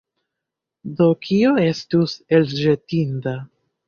Do kio estus elĵetinda?